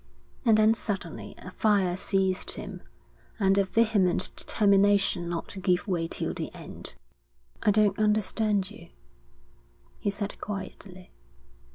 And then suddenly a fire seized him, and a vehement determination not to give way till the end. 'I don't understand you,' he said quietly.